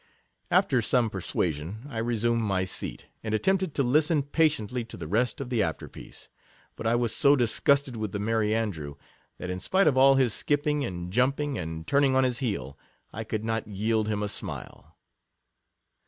49 After some persuasion, I resumed my seat, and attempted to listen patiently to the rest of the afterpiece; but I was so disgusted with the Merry Andrew, that in spite of all his skipping, and jumping, and turning on his heel, I could not yield him a smile.